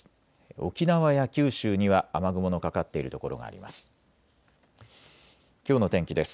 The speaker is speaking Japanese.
沖縄や九州には雨雲のかかっている所があります。